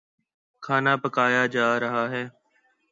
کھانا پکایا جا رہا ہے